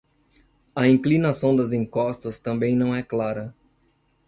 A inclinação das encostas também não é clara.